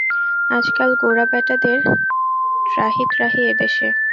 আজকাল গোঁড়া বেটাদের ত্রাহি-ত্রাহি এদেশে।